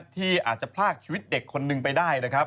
ที่อาจจะพลากชีวิตเด็กคนหนึ่งไปได้